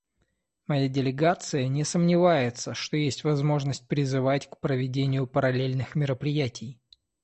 Моя делегация не сомневается, что есть возможность призывать к проведению параллельных мероприятий.